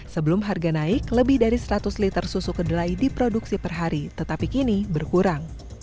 sebelum harga naik lebih dari seratus liter susu kedelai diproduksi per hari tetapi kini berkurang